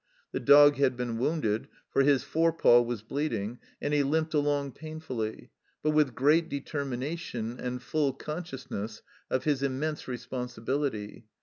The dog had been wounded, for his fore paw was bleeding, and he limped along painfully, but with great determination and full consciousness of his immense responsibility.